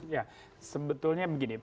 ya sebetulnya begini